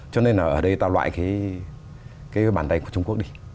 cho nên là ở đây tạo loại cái bàn tay của trung quốc đi